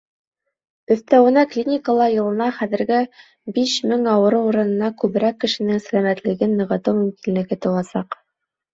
— Өҫтәүенә, клиникала йылына хәҙерге биш мең ауырыу урынына күберәк кешенең сәләмәтлеген нығытыу мөмкинлеге тыуасаҡ.